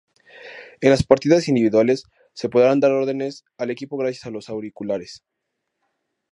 En las partidas individuales se podrán dar órdenes al equipo gracias a los auriculares.